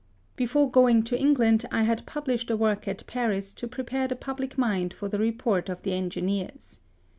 Before going to England I had published a work at Paris to prepare the public mind for the report of the engineers.